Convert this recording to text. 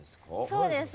そうですね